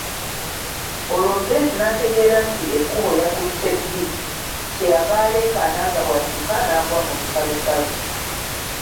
Olwo Geetu n'ategeera nti ekkubo yakutte bbi, kyeyava aleekaana nga bw'adduka n'agwa mu lusalosalo.